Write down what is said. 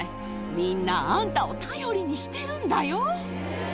みんな、あんたを頼りにしてるんだよ。